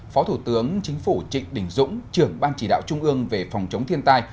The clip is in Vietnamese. phó thủ tướng chính phủ trịnh đình dũng trưởng ban chỉ đạo trung ương về phòng chống thiên tai